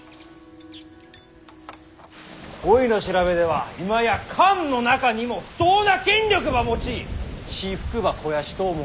おいの調べでは今や官の中にも不当な権力ば用い私腹ば肥やしとお者が見らるっ。